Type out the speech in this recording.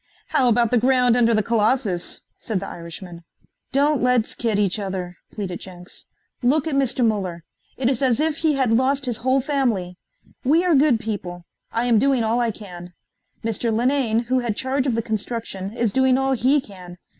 "How about the ground under the Colossus?" said the Irishman. "Don't let's kid each other," pleaded Jenks. "Look at Mr. Muller: it is as if he had lost his whole family. We are good people. I am doing all I can. Mr. Linane, who had charge of the construction, is doing all he can.